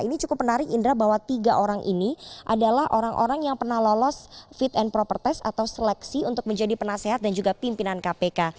ini cukup menarik indra bahwa tiga orang ini adalah orang orang yang pernah lolos fit and proper test atau seleksi untuk menjadi penasehat dan juga pimpinan kpk